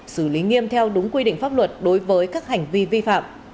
xử lý nghiêm theo đúng quy định pháp luật đối với các hành vi vi phạm